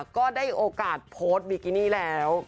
ก็ได้โอกาสโพสต์บิกินี่แล้ว